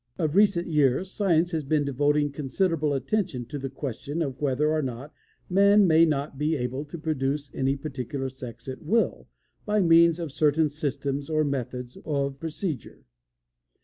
Of recent years, science has been devoting considerable attention to the question of whether or not man may not be able to produce any particular sex at will, by means of certain systems or methods of procedure.